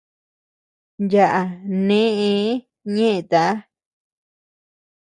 Yaʼa neʼëe ñeʼeta.